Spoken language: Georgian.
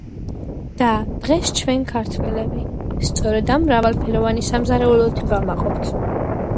და დღეს, ჩვენ ქართველები სწორედ ამ მრავალფეროვანი სამზარეულოთი ვამაყობთ.